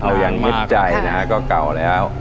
เอาอย่างเฮ็ดใจนะก็เก่าแล้ว